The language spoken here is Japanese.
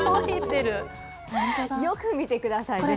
よく見てくださいね。